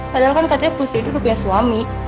padahal kan katanya putri itu tuh pihak suami